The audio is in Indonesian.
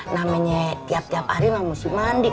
namanya tiap tiap hari mah mesti mandi